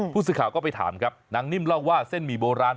ผู้สื่อข่าวก็ไปถามครับนางนิ่มเล่าว่าเส้นหมี่โบราณ